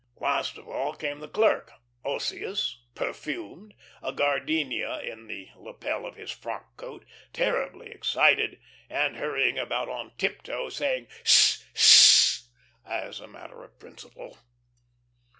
Last of all came the clerk, osseous, perfumed, a gardenia in the lapel of his frock coat, terribly excited, and hurrying about on tiptoe, saying "Sh! Sh!" as a matter of principle.